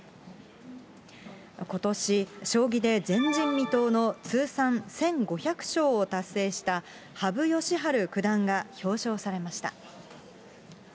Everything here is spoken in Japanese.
ことし、将棋で前人未到の通算１５００勝を達成した羽生善治九段が表彰されました。